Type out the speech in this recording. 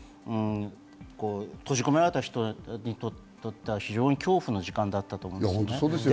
閉じ込められた人にとっては、非常に恐怖だった時間だったと思うんですね。